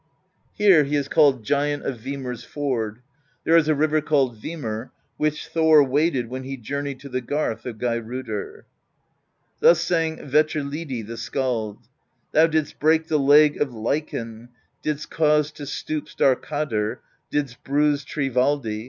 Here he is called Giant of Vimur's Ford. There is a river called Vimur, which Thor waded when he journeyed to the garth of Geirrodr. Thus sang Vetrlidi the skald: Thou didst break the leg of Leikn, Didst cause to stoop Starkadr, Didst bruise Thrivaldi, Didst stand on lifeless Gjalp.